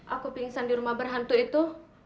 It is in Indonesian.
aku pingsan di rumah berhantu itu